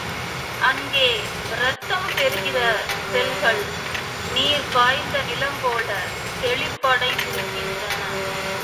அங்கே இரத்தம் பெறுகிற செல்கள் நீர் பாய்ந்த நிலம் போல செழிப்படைந்திருக்கின்றன.